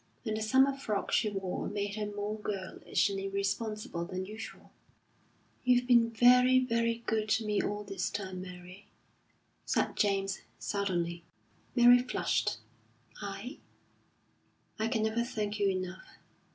And the summer frock she wore made her more girlish and irresponsible than usual. "You've been very, very good to me all this time, Mary," said James, suddenly. Mary flushed. "I?" "I can never thank you enough."